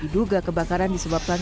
diduga kebakaran disebabkan